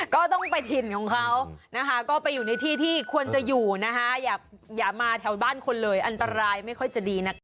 ก็ต้องไปถิ่นของเขานะคะก็ไปอยู่ในที่ที่ควรจะอยู่นะคะอย่ามาแถวบ้านคนเลยอันตรายไม่ค่อยจะดีนะคะ